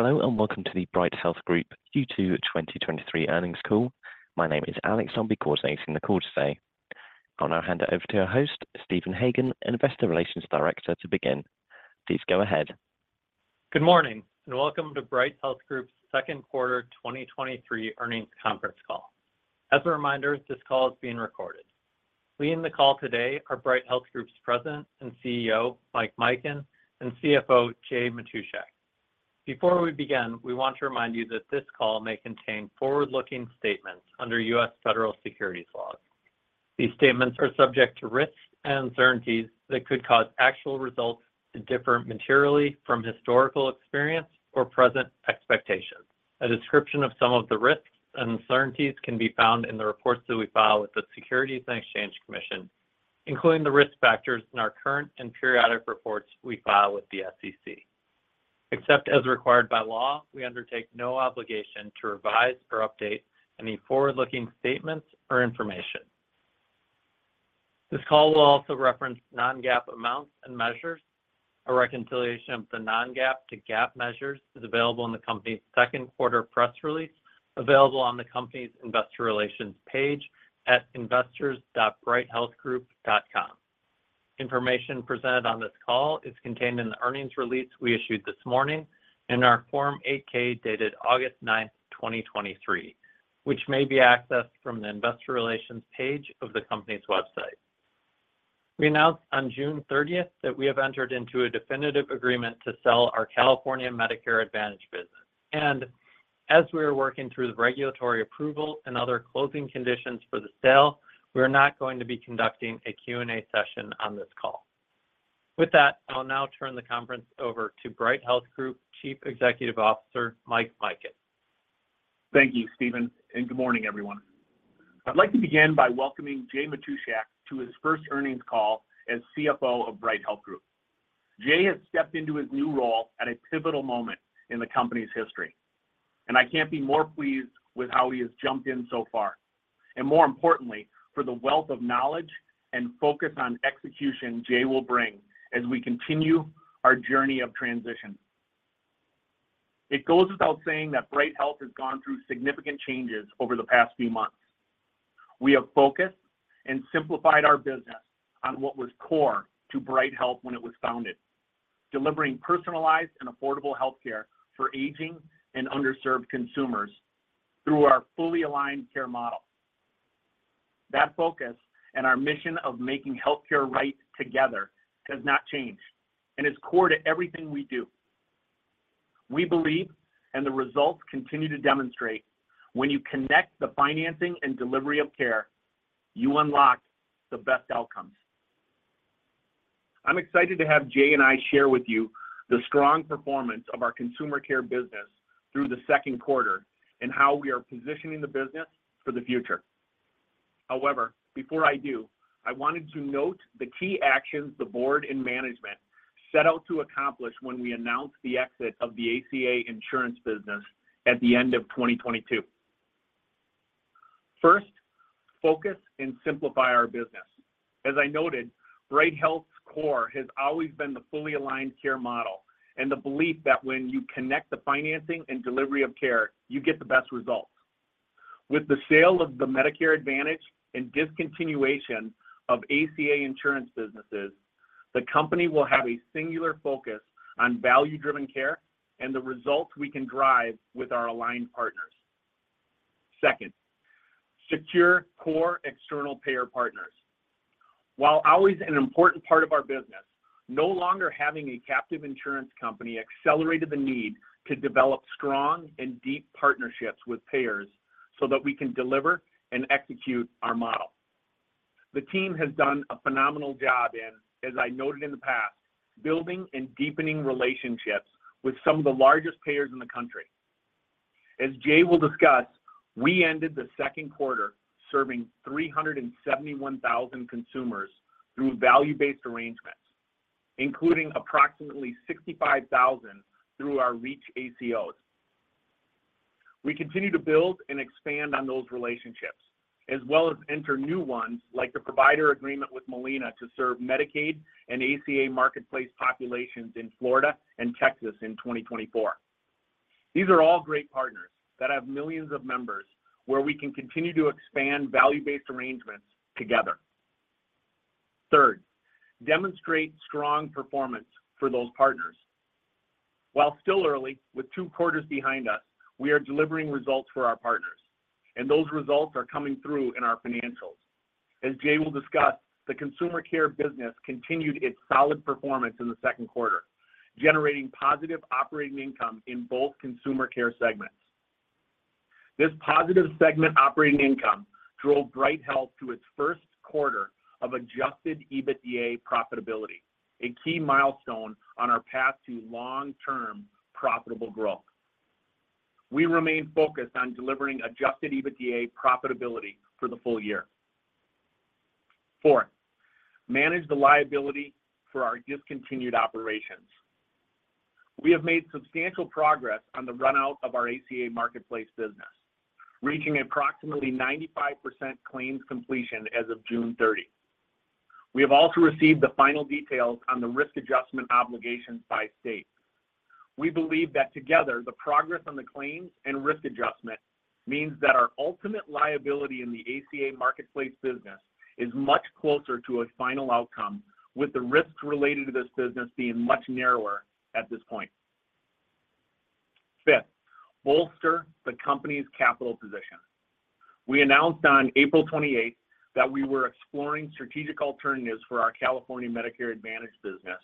Hello, and welcome to the Bright Health Group Q2 2023 earnings call. My name is Alex. I'll be coordinating the call today. I'll now hand it over to our host, Stephen Hagan, Investor Relations Director, to begin. Please go ahead. Good morning, and welcome to Bright Health Group's second quarter 2023 earnings conference call. As a reminder, this call is being recorded. Leading the call today are Bright Health Group's President and CEO, Mike Mikan, and CFO, Jay Matushak. Before we begin, we want to remind you that this call may contain forward-looking statements under U.S. federal securities laws. These statements are subject to risks and uncertainties that could cause actual results to differ materially from historical experience or present expectations. A description of some of the risks and uncertainties can be found in the reports that we file with the Securities and Exchange Commission, including the risk factors in our current and periodic reports we file with the SEC. Except as required by law, we undertake no obligation to revise or update any forward-looking statements or information. This call will also reference non-GAAP amounts and measures. A reconciliation of the non-GAAP to GAAP measures is available in the company's second quarter press release, available on the company's investor relations page at investors.brighthealthgroup.com. Information presented on this call is contained in the earnings release we issued this morning and our Form 8-K, dated August 9th, 2023, which may be accessed from the investor relations page of the company's website. We announced on June 30th that we have entered into a definitive agreement to sell our California Medicare Advantage business, and as we are working through the regulatory approval and other closing conditions for the sale, we are not going to be conducting a Q&A session on this call. With that, I'll now turn the conference over to Bright Health Group Chief Executive Officer, Mike Mikan. Thank you, Stephen, and good morning, everyone. I'd like to begin by welcoming Jay Matushak to his first earnings call as CFO of Bright Health Group. Jay has stepped into his new role at a pivotal moment in the company's history, and I can't be more pleased with how he has jumped in so far, and more importantly, for the wealth of knowledge and focus on execution Jay will bring as we continue our journey of transition. It goes without saying that Bright Health has gone through significant changes over the past few months. We have focused and simplified our business on what was core to Bright Health when it was founded, delivering personalized and affordable healthcare for aging and underserved consumers through our fully aligned care model. That focus and our mission of making healthcare right together has not changed and is core to everything we do. We believe, and the results continue to demonstrate, when you connect the financing and delivery of care, you unlock the best outcomes. I'm excited to have Jay and I share with you the strong performance of our Consumer Care business through the second quarter and how we are positioning the business for the future. Before I do, I wanted to note the key actions the board and management set out to accomplish when we announced the exit of the ACA Insurance business at the end of 2022. First, focus and simplify our business. As I noted, Bright Health's core has always been the fully aligned care model and the belief that when you connect the financing and delivery of care, you get the best results. With the sale of the Medicare Advantage and discontinuation of ACA insurance businesses, the company will have a singular focus on value-driven care and the results we can drive with our aligned partners. Second, secure core external payer partners. While always an important part of our business, no longer having a captive insurance company accelerated the need to develop strong and deep partnerships with payers so that we can deliver and execute our model. The team has done a phenomenal job in, as I noted in the past, building and deepening relationships with some of the largest payers in the country. As Jay will discuss, we ended the second quarter serving 371,000 consumers through value-based arrangements, including approximately 65,000 through our REACH ACOs. We continue to build and expand on those relationships, as well as enter new ones, like the provider agreement with Molina to serve Medicaid and ACA marketplace populations in Florida and Texas in 2024. These are all great partners that have millions of members, where we can continue to expand value-based arrangements together. Third, demonstrate strong performance for those partners. While still early, with two quarters behind us, we are delivering results for our partners, and those results are coming through in our financials. As Jay will discuss, the Consumer Care business continued its solid performance in the second quarter, generating positive operating income in both Consumer Care segments. This positive segment operating income drove Bright Health to its first quarter of Adjusted EBITDA profitability, a key milestone on our path to long-term profitable growth. We remain focused on delivering Adjusted EBITDA profitability for the full year. Fourth, manage the liability for our discontinued operations. We have made substantial progress on the run-out of our ACA marketplace business, reaching approximately 95% claims completion as of June 30th. We have also received the final details on the risk adjustment obligations by state. We believe that together, the progress on the claims and risk adjustment means that our ultimate liability in the ACA marketplace business is much closer to a final outcome, with the risks related to this business being much narrower at this point. Fifth, bolster the company's capital position. We announced on April 28th that we were exploring strategic alternatives for our California Medicare Advantage business,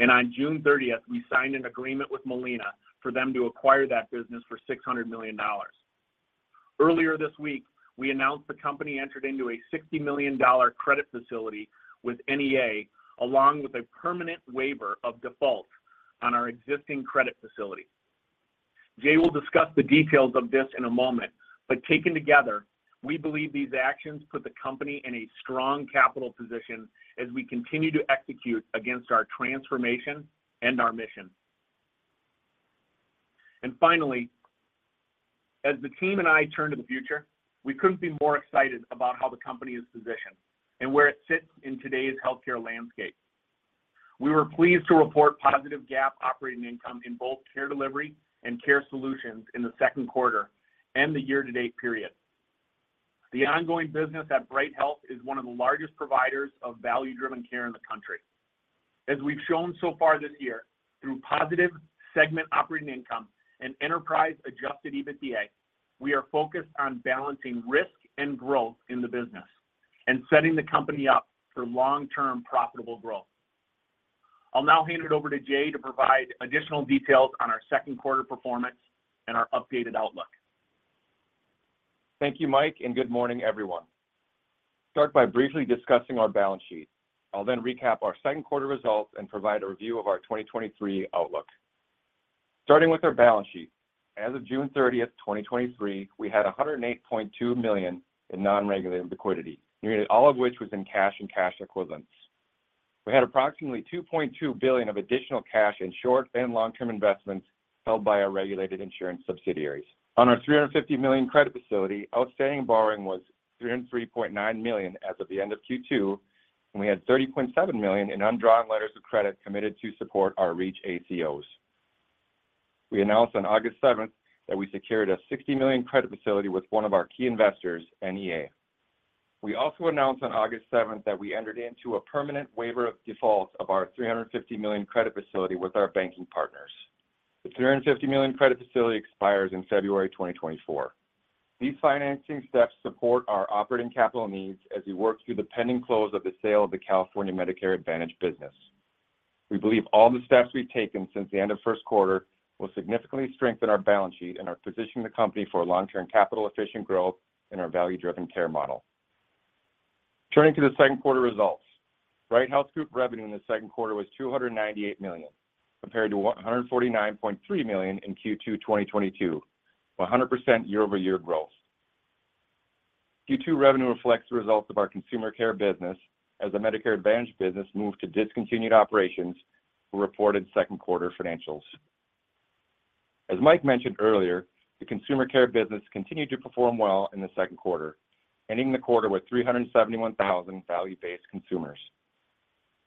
and on June 30th, we signed an agreement with Molina for them to acquire that business for $600 million. Earlier this week, we announced the company entered into a $60 million credit facility with NEA, along with a permanent waiver of default on our existing credit facility. Jay will discuss the details of this in a moment, taken together, we believe these actions put the company in a strong capital position as we continue to execute against our transformation and our mission. Finally, as the team and I turn to the future, we couldn't be more excited about how the company is positioned and where it sits in today's healthcare landscape. We were pleased to report positive GAAP operating income in both Care Delivery and Care Solutions in the second quarter and the year-to-date period. The ongoing business at Bright Health is one of the largest providers of value-driven care in the country. As we've shown so far this year, through positive segment operating income and enterprise-adjusted EBITDA, we are focused on balancing risk and growth in the business and setting the company up for long-term profitable growth. I'll now hand it over to Jay to provide additional details on our second quarter performance and our updated outlook. Thank you, Mike, good morning, everyone. Start by briefly discussing our balance sheet. I'll then recap our second quarter results and provide a review of our 2023 outlook. Starting with our balance sheet, as of June 30th, 2023, we had $108.2 million in non-regulated liquidity, nearly all of which was in cash and cash equivalents. We had approximately $2.2 billion of additional cash in short and long-term investments held by our regulated insurance subsidiaries. On our $350 million credit facility, outstanding borrowing was $303.9 million as of the end of Q2, we had $30.7 million in undrawn letters of credit committed to support our REACH ACOs. We announced on August 7th that we secured a $60 million credit facility with one of our key investors, NEA. We also announced on August 7th that we entered into a permanent waiver of default of our $350 million credit facility with our banking partners. The $350 million credit facility expires in February 2024. These financing steps support our operating capital needs as we work through the pending close of the sale of the California Medicare Advantage business. We believe all the steps we've taken since the end of first quarter will significantly strengthen our balance sheet and are positioning the company for long-term capital efficient growth in our value-driven care model. Turning to the second quarter results, Bright Health Group revenue in the second quarter was $298 million, compared to $149.3 million in Q2 2022, 100% year-over-year growth. Q2 revenue reflects the results of our Consumer Care business as the Medicare Advantage business moved to discontinued operations for reported second quarter financials. As Mike mentioned earlier, the Consumer Care business continued to perform well in the second quarter, ending the quarter with 371,000 value-based consumers.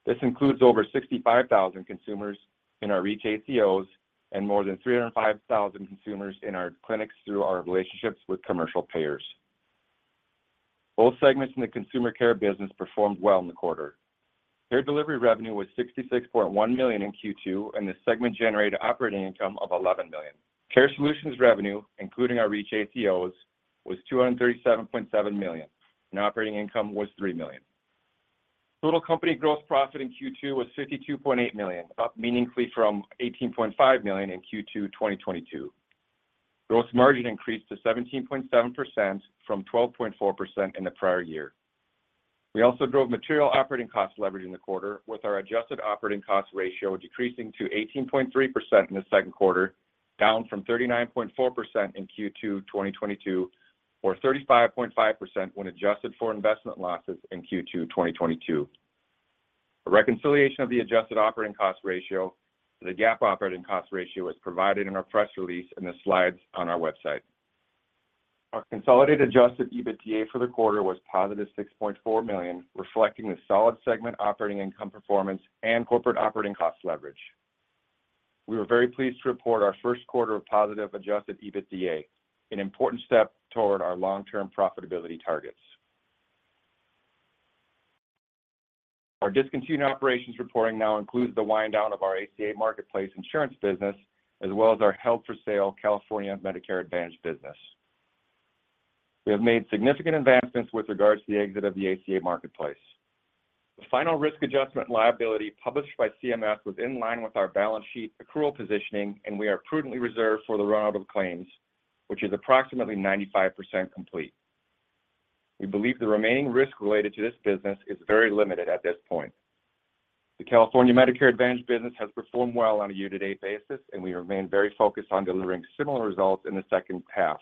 This includes over 65,000 consumers in our REACH ACOs and more than 305,000 consumers in our clinics through our relationships with commercial payers. Both segments in the Consumer Care business performed well in the quarter. Care Delivery revenue was $66.1 million in Q2, and the segment generated operating income of $11 million. Care Solutions revenue, including our REACH ACOs, was $237.7 million, and operating income was $3 million. Total company gross profit in Q2 was $52.8 million, up meaningfully from $18.5 million in Q2 2022. Gross margin increased to 17.7% from 12.4% in the prior year. We also drove material operating cost leverage in the quarter, with our Adjusted Operating Cost Ratio decreasing to 18.3% in the second quarter, down from 39.4% in Q2 2022, or 35.5% when adjusted for investment losses in Q2 2022. A reconciliation of the Adjusted Operating Cost Ratio to the GAAP operating cost ratio is provided in our press release and the slides on our website. Our consolidated Adjusted EBITDA for the quarter was positive $6.4 million, reflecting the solid segment operating income performance and corporate operating cost leverage. We were very pleased to report our first quarter of positive Adjusted EBITDA, an important step toward our long-term profitability targets. Our discontinued operations reporting now includes the wind down of our ACA marketplace insurance business, as well as our held for sale California Medicare Advantage business. We have made significant advancements with regards to the exit of the ACA marketplace. The final risk adjustment liability published by CMS was in line with our balance sheet accrual positioning, and we are prudently reserved for the run-out of claims, which is approximately 95% complete. We believe the remaining risk related to this business is very limited at this point. The California Medicare Advantage business has performed well on a year-to-date basis, and we remain very focused on delivering similar results in the second half.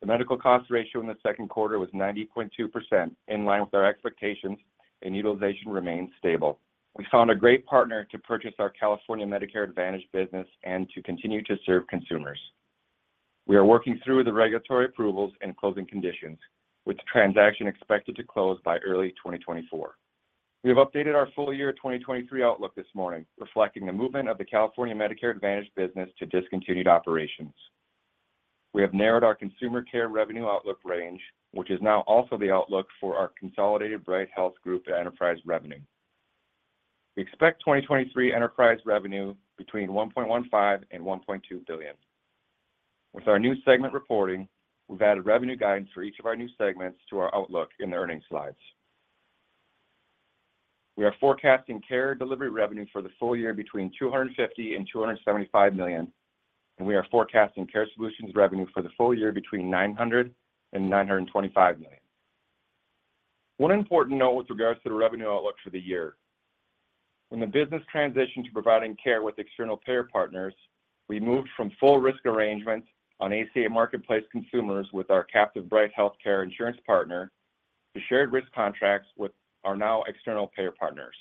The medical cost ratio in the second quarter was 90.2%, in line with our expectations, and utilization remains stable. We found a great partner to purchase our California Medicare Advantage business and to continue to serve consumers. We are working through the regulatory approvals and closing conditions, with the transaction expected to close by early 2024. We have updated our full year 2023 outlook this morning, reflecting the movement of the California Medicare Advantage business to discontinued operations. We have narrowed our Consumer Care revenue outlook range, which is now also the outlook for our consolidated Bright Health Group enterprise revenue. We expect 2023 enterprise revenue between $1.15 billion and $1.2 billion. With our new segment reporting, we've added revenue guidance for each of our new segments to our outlook in the earnings slides. We are forecasting Care Delivery revenue for the full year between $250 million and $275 million, and we are forecasting Care Solutions revenue for the full year between $900 million and $925 million. One important note with regards to the revenue outlook for the year: when the business transitioned to providing care with external payer partners, we moved from full risk arrangements on ACA marketplace consumers with our captive Bright HealthCare insurance partner to shared risk contracts with our now external payer partners.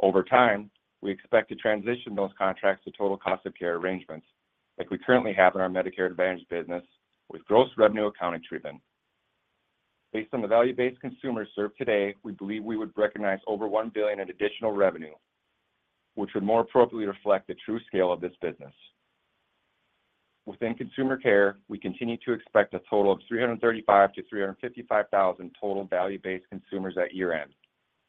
Over time, we expect to transition those contracts to total cost of care arrangements, like we currently have in our Medicare Advantage business, with gross revenue accounting treatment. Based on the value-based consumers served today, we believe we would recognize over $1 billion in additional revenue, which would more appropriately reflect the true scale of this business. Within Consumer Care, we continue to expect a total of 335,000-355,000 total value-based consumers at year-end,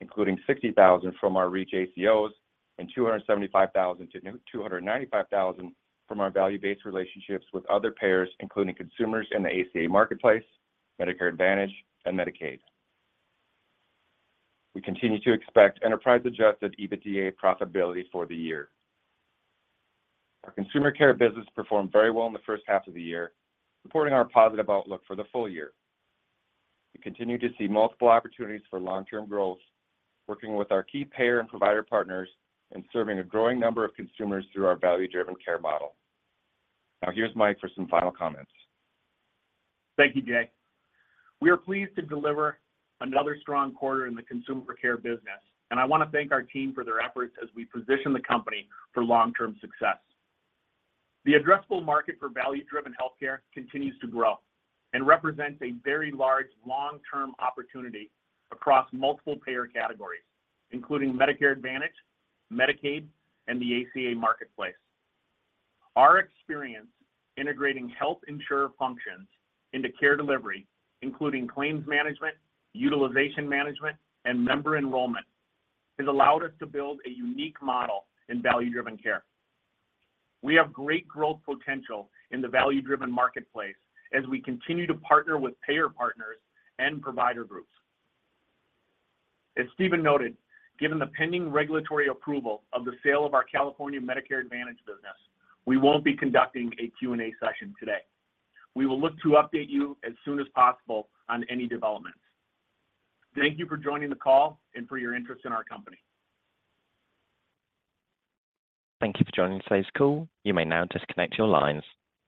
including 60,000 from our REACH ACOs and 275,000-295,000 from our value-based relationships with other payers, including consumers in the ACA marketplace, Medicare Advantage, and Medicaid. We continue to expect enterprise Adjusted EBITDA profitability for the year. Our Consumer Care business performed very well in the first half of the year, supporting our positive outlook for the full year. We continue to see multiple opportunities for long-term growth, working with our key payer and provider partners and serving a growing number of consumers through our value-driven care model. Now, here's Mike for some final comments. Thank you, Jay. We are pleased to deliver another strong quarter in the Consumer Care business, and I want to thank our team for their efforts as we position the company for long-term success. The addressable market for value-driven healthcare continues to grow and represents a very large, long-term opportunity across multiple payer categories, including Medicare Advantage, Medicaid, and the ACA marketplace. Our experience integrating health insurer functions into Care Delivery, including claims management, utilization management, and member enrollment, has allowed us to build a unique model in value-driven care. We have great growth potential in the value-driven marketplace as we continue to partner with payer partners and provider groups. As Stephen noted, given the pending regulatory approval of the sale of our California Medicare Advantage business, we won't be conducting a Q&A session today. We will look to update you as soon as possible on any developments. Thank you for joining the call and for your interest in our company. Thank you for joining today's call. You may now disconnect your lines.